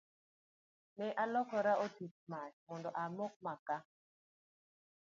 Ne alokora otit mach mondo amok maka.